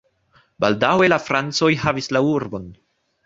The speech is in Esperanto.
Baldaŭe la francoj havis la urbon.